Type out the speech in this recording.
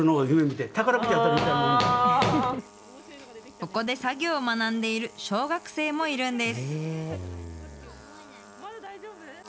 ここで作業を学んでいる小学生もいるんです。